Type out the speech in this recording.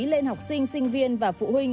lên học sinh sinh viên và phụ huynh